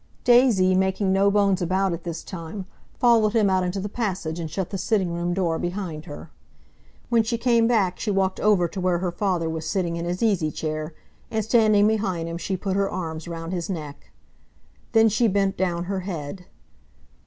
Daisy, making no bones about it this time, followed him out into the passage, and shut the sitting room door behind her. When she came back she walked over to where her father was sitting in his easy chair, and standing behind him she put her arms round his neck. Then she bent down her head.